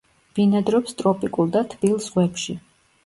ბინადრობს ტროპიკულ და თბილ ზღვებში.